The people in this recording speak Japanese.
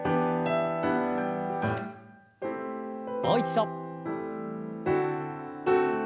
もう一度。